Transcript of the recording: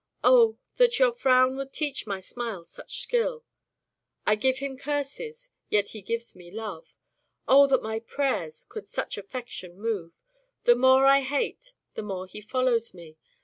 0 ! that your frowns would teach my smiles such skill. 1 give him curses, yet he gives me love. O ! that my prayers could such affection move. The more I hate the more he follows me.